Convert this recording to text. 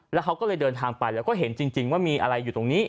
แล้วเขาก็เลยเดินทางไปแล้วก็เห็นจริงว่ามีอะไรอยู่ตรงนี้